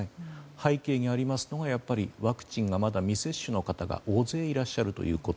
背景にありますのがワクチンをまだ未接種の方が大勢いらっしゃるということ。